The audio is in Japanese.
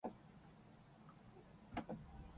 おばあちゃんは起きるのが遅い